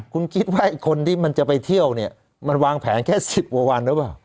คุณคิดว่าคนที่มันจะไปเที่ยวเนี่ยมันวางแผนแค่๑๐กว่าวันหรือเปล่า